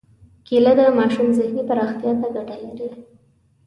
کېله د ماشوم ذهني پراختیا ته ګټه لري.